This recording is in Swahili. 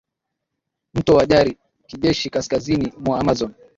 mto wa Jari kijeshi kaskazini mwa Amazon